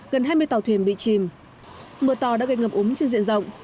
gần hai mươi tàu thuyền bị chìm mưa to đã gây ngập úng trên diện rộng